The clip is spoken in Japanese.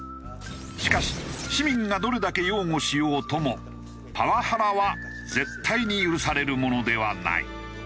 しかし市民がどれだけ擁護しようともパワハラは絶対に許されるものではない。